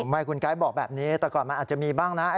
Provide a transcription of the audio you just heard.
ไม่คุณไกด์บอกแบบนี้แต่ก่อนมันอาจจะมีบ้างนะ